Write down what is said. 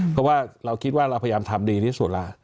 เพราะว่าเราคิดว่าเราพยายามทำดีที่สุดล่ะ